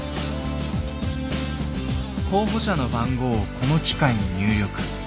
候補者の番号をこの機械に入力。